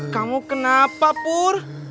kamu kenapa pur